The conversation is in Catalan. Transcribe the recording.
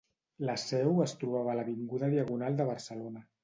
La seu es trobava a l'avinguda Diagonal de Barcelona.